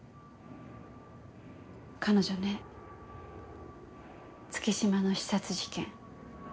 彼女ね月島の刺殺事件